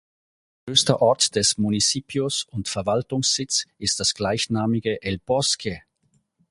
Größter Ort des Municipios und Verwaltungssitz ist das gleichnamige El Bosque.